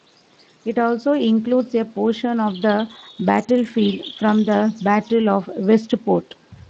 It also includes a portion of the battlefield from the Battle of Westport.